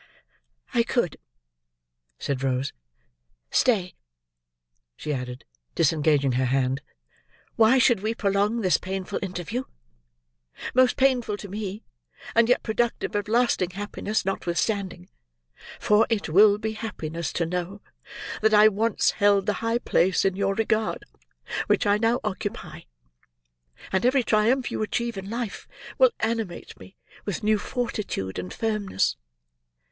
"I could," said Rose. "Stay!" she added, disengaging her hand, "why should we prolong this painful interview? Most painful to me, and yet productive of lasting happiness, notwithstanding; for it will be happiness to know that I once held the high place in your regard which I now occupy, and every triumph you achieve in life will animate me with new fortitude and firmness.